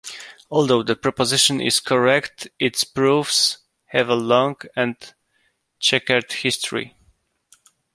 Although the proposition is correct, its proofs have a long and checkered history.